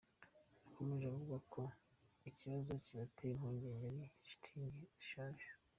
Yakomeje avuga ko ikibazo kibateye impungenge ari shitingi zishaje.